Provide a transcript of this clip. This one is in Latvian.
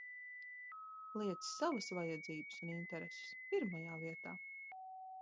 Liec savas vajadzības un intereses pirmajā vietā!